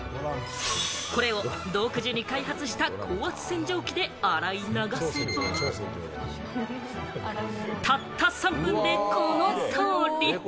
これを独自に開発した高圧洗浄機で洗い流せば、たった３分でこの通り。